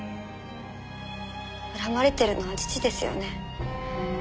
恨まれてるのは父ですよね？